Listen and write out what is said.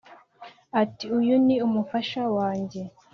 ati” uyu ni umufasha wanjye!”